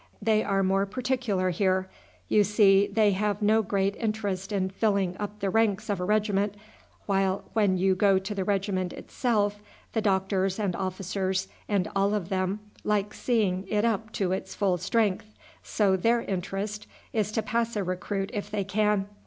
They are more particular here. You see, they have no great interest in filling up the ranks of a regiment, while when you go to the regiment itself, the doctors and officers and all of them like seeing it up to its full strength, so their interest is to pass a recruit if they can.